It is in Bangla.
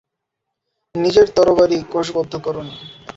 নিজের তরবারি কোষবদ্ধ করেন।